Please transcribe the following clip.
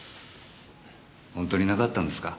ホントになかったんですか？